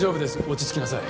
落ち着きなさい